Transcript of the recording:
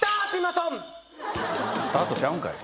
「スタート」ちゃうんかい。